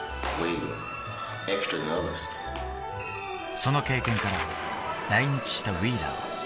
その経験から来日したウィーラー。